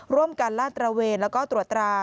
ร่วมกันล่าตระเวนและตรวจตรา